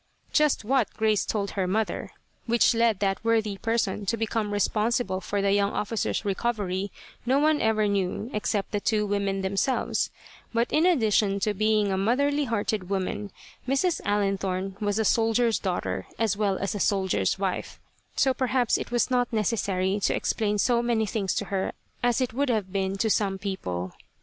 Just what Grace told her mother, which led that worthy person to become responsible for the young officer's recovery, no one ever knew except the two women themselves, but in addition to being a motherly hearted woman, Mrs. Allenthorne was a soldier's daughter as well as a soldier's wife, so perhaps it was not necessary to explain so many things to her as it would have been to some people.